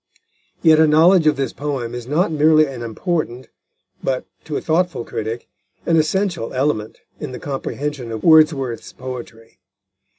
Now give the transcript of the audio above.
Yet a knowledge of this poem is not merely an important, but, to a thoughtful critic, an essential element in the comprehension of Wordsworth's poetry.